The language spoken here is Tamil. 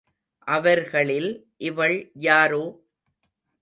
அவர்களில் இவள் யாரோ?